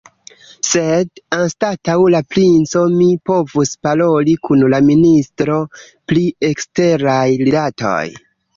Sed anstataŭ la princo, mi povus paroli kun la ministro pri eksteraj rilatoj.